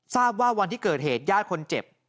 ทราบว่าวันที่เกิดเหตุญาติคนเจ็บ